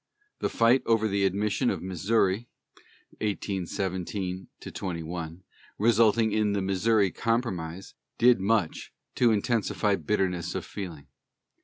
The fight over the admission of Missouri (1817 21), resulting in the "Missouri Compromise," did much to intensify bitterness of feeling.